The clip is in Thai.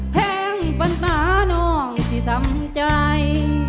แพงปัญหาน้องที่ทำใจ